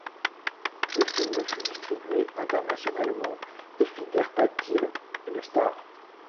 Le film fut distribué internationalement et fit d'Hertha Thiele une star.